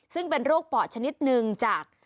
ซึ่งเป็นโรคปอดชนิดหนึ่งจาก